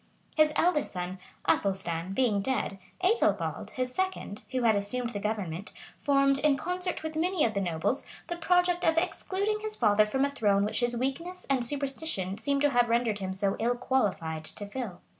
His eldest son, Athelstan, being dead, Ethelbald, his second, who had assumed the government, formed, in concert with many of the nobles, the project of excluding his father from a throne which his weakness and superstition seem to have rendered him so ill qualified to fill.